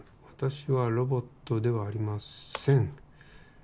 「私はロボットではありません」！